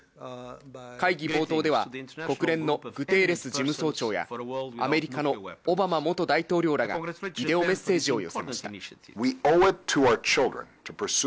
会議冒頭では、国連のグテーレス事務総長や、アメリカのオバマ元大統領らがビデオメッセージを寄せました。